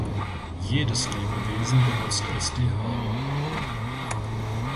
Jedes Lebewesen benutzt Sdh.